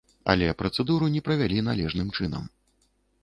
Але працэдуру не правялі належным чынам.